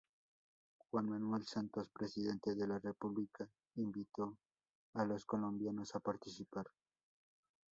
Juan Manuel Santos Presidente de la República invitó a los colombianos a participar.